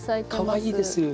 かわいいですよね